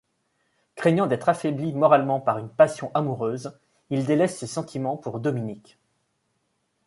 Craignant d'être affaibli moralement par une passion amoureuse, il délaisse ses sentiments pour Dominique.